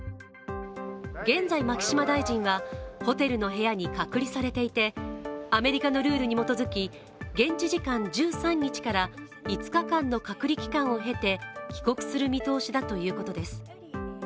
現在、牧島大臣はホテルの部屋に隔離されていてアメリカのルールに基づき現地時間１３日から５日間の隔離期間を経て帰国する見通しだということです。